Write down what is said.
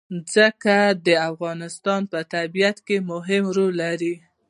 ځمکه د افغانستان په طبیعت کې مهم رول لري.